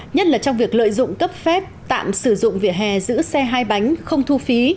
nhất là trong việc lợi dụng cấp phép tạm sử dụng vỉa hè giữ xe hai bánh không thu phí